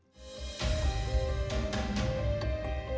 kami sebagai warga minoritas keturunan tionghoa seringkali mungkin